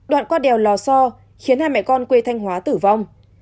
đoạn qua đèo lò so khiến hai mẹ con quê thanh hóa tử vong